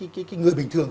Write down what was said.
cái người bình thường